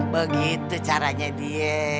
begitu caranya dia